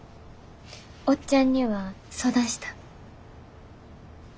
おっちゃんには相談したん？